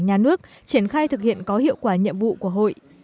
nhà nước triển khai thực hiện có hiệu quả nhiệm vụ của hội